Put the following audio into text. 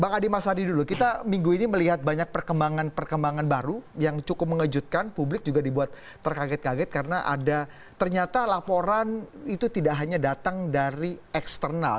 bang adi mas hadi dulu kita minggu ini melihat banyak perkembangan perkembangan baru yang cukup mengejutkan publik juga dibuat terkaget kaget karena ada ternyata laporan itu tidak hanya datang dari eksternal